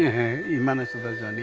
今の人たちはね。